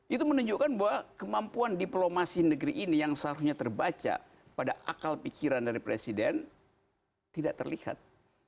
itu menunjukkan bahwa kemampuan diplomasi negeri ini yang seharusnya terbaca pada akal pikiran dari presiden tidak terlihat